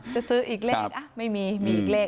จะซื้ออีกเลขไม่มีมีอีกเลข